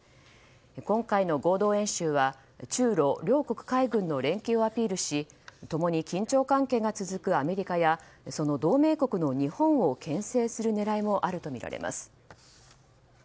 今回の合同演習は中露両国海軍の連携をアピールし共に緊張関係が続くアメリカやその同盟国の日本を牽制する狙いもあるとみられます。